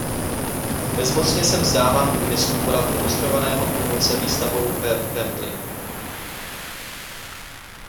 Bezmocně se vzdávám úmyslu podat ilustrovaného průvodce výstavou ve Wembley.